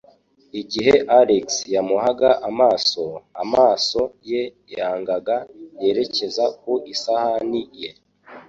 Igihe Alex yamuhaga amaso, amaso ye yangaga yerekeza ku isahani ye.